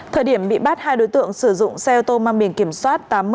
thời điểm bị bắt hai đối tượng sử dụng xe ô tô mang biển kiểm soát